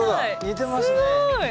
似てますね。